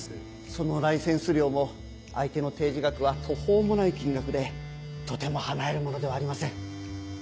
そのライセンス料も相手の提示額は途方もない金額でとても払えるものではありません。